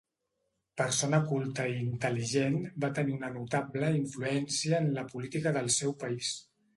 Persona culta i intel·ligent va tenir una notable influència en la política del seu país.